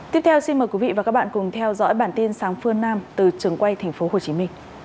tiếp theo xin mời quý vị và các bạn cùng theo dõi bản tin sáng phương nam từ trường quay tp hcm